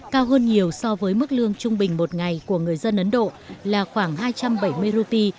cao hơn nhiều so với mức lương trung bình một ngày của người dân ấn độ là khoảng hai trăm bảy mươi rupee